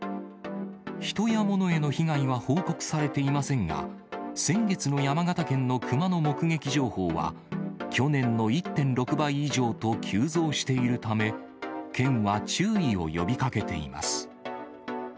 人や物への被害は報告されていませんが、先月の山形県のクマの目撃情報は、去年の１．６倍以上と急増しているため、県は注意を呼びかけています。